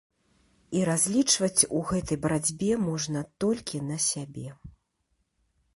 І разлічваць у гэтай барацьбе можна толькі на сябе.